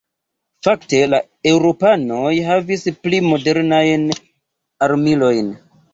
Fakte la eŭropanoj havis pli modernajn armilojn.